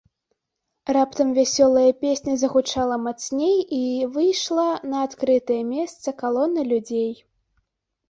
Раптам вясёлая песня загучала мацней і выйшла на адкрытае месца калона людзей.